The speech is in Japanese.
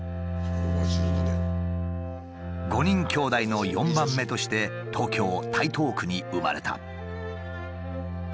５人きょうだいの４番目として東京台東区に生まれた。